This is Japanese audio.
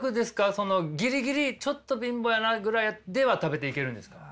ギリギリちょっと貧乏やなぐらいでは食べていけるんですか？